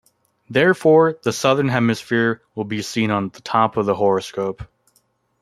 Therefore, the southern hemisphere will be seen on the top of the horoscope.